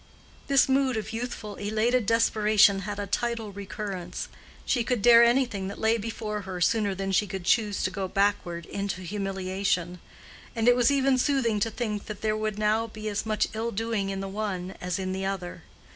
This mood of youthful, elated desperation had a tidal recurrence. She could dare anything that lay before her sooner than she could choose to go backward, into humiliation; and it was even soothing to think that there would now be as much ill doing in the one as in the other.